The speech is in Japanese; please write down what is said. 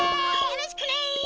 よろしくね！